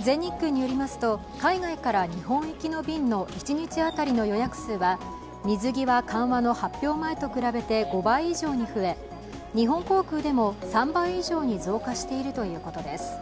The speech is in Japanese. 全日空によりますと海外から日本行きの便の一日当たりの予約数は水際緩和の発表前と比べて５倍以上に増え日本航空でも３倍以上に増加しているということです。